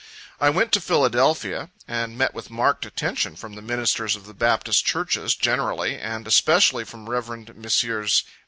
I went to Philadelphia, and met with marked attention from the ministers of the Baptist churches generally, and especially from Rev. Messrs.